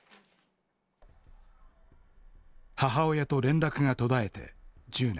母親と連絡が途絶えて１０年。